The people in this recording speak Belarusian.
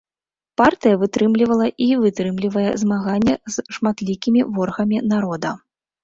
Партыя вытрымлівала і вытрымлівае змаганне з шматлікімі ворагамі народа.